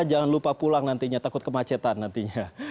jangan lupa pulang nantinya takut kemacetan nantinya